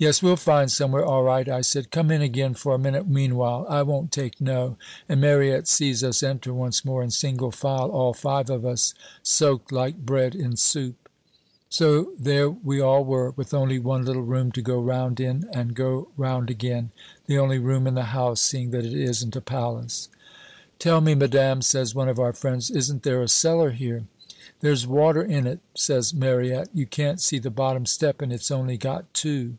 "'Yes, we'll find somewhere, all right,' I said. 'Come in again for a minute meanwhile I won't take no and Mariette sees us enter once more in single file, all five of us soaked like bread in soup. "So there we all were, with only one little room to go round in and go round again the only room in the house, seeing that it isn't a palace. "'Tell me, madame,' says one of our friends, 'isn't there a cellar here?' "'There's water in it,' says Mariette; 'you can't see the bottom step and it's only got two.'